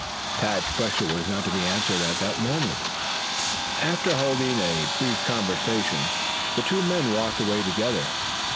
Tad's question was not to be answered at that moment. After holding a brief conversation the two men walked away together.